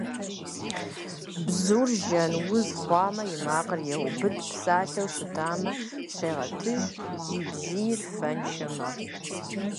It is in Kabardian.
Бзур жьэн уз хъуамэ, и макъыр еубыд, псалъэу щытамэ, щегъэтыж, и бзийр фэншэ мэхъу.